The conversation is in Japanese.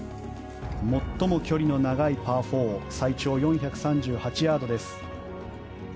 最も距離の長いパー４最長４３８ヤードです。